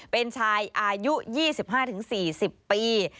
เป็นชายอายุ๒๕๔๐ปี